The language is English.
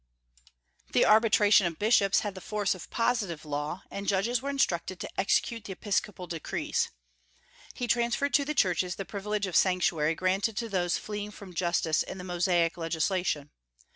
The arbitration of bishops had the force of positive law, and judges were instructed to execute the episcopal decrees. He transferred to the churches the privilege of sanctuary granted to those fleeing from justice in the Mosaic legislation.